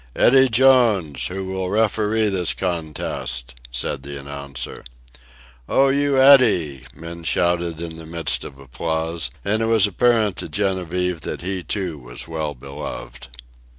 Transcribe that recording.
"Eddy Jones, who will referee this contest," said the announcer. "Oh, you, Eddy!" men shouted in the midst of the applause, and it was apparent to Genevieve that he, too, was well beloved.